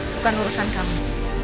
bukan urusan kamu